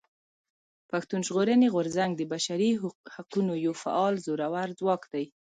پښتون ژغورني غورځنګ د بشري حقونو يو فعال زورور ځواک دی.